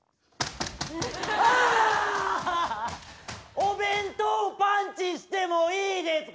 「お弁当パンチしてもいいですか？」